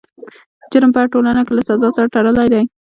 جرم په هره ټولنه کې له جزا سره تړلی دی.